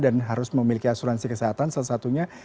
dan harus memiliki asuransi kesehatan salah satunya